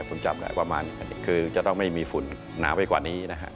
ผมจำกัดว่ามันคือจะต้องไม่มีฝุ่นหนาวไปกว่านี้